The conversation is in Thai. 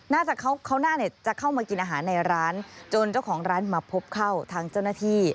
เขาน่าจะเข้ามากินอาหารในร้านจนเจ้าของร้านมาพบเข้าทางเจ้าหน้าที่